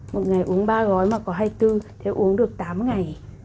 một ngày uống ba gói mà có hai mươi bốn thì uống được tám ngày